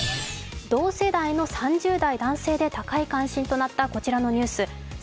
同世代の３０代男性で高い関心となったこちらのニュース。